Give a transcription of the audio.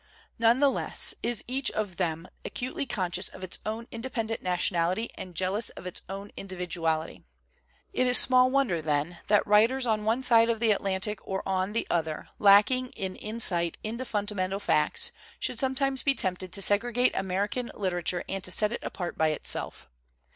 None the less is each of them acutely conscious of its own inde pendent nationality and jealous of its own nidi WHAT IS AMERICAN LITERATURE? viduality. It is small wonder, then, that writers on one side of the Atlantic or on the other lack ing in insight into fundamental facts, should sometimes be tempted to segregate American literature and to set it apart by itself.